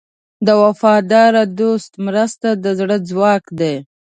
د وفادار دوست مرسته د زړه ځواک دی.